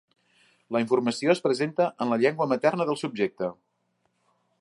La informació es presenta en la llengua materna del subjecte.